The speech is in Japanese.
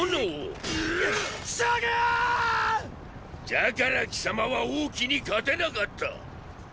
じゃから貴様は王騎に勝てなかった。